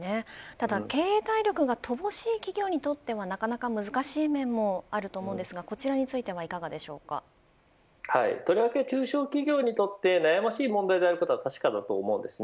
ただ経営体力が乏しい企業にとってなかなか難しい面もあると思いますが、こちらについてはとりわけ中小企業にとって悩ましい問題となることは確かだと思います。